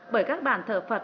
bởi các bản thờ phật